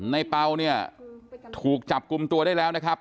เป่าเนี่ยถูกจับกลุ่มตัวได้แล้วนะครับ